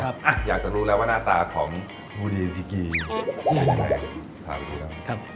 อะอยากจะรู้แล้วหน้าตาของภูเดจิเกคือใคร